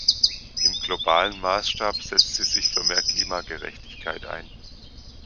Im globalen Maßstab setzt sie sich für mehr Klimagerechtigkeit ein.